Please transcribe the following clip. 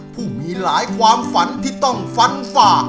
ผู้มีหลายความฝันที่ต้องฟันฝ่า